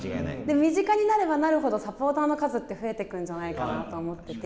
身近になればなるほどサポーターの数って増えていくんじゃないかなと思ってて。